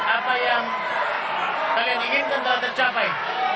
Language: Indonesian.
apa yang kalian inginkan telah tercapai